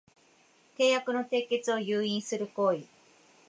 契約の締結を誘引する行為